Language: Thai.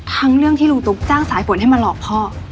ทั้งเรื่องที่ลุงตุ๊กจ้างสายฝนให้มาหลอกพ่อ